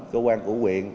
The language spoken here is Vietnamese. cơ quan của quyện